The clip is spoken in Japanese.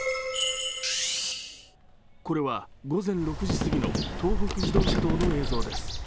これは午前６時過ぎの東北自動車道の映像です。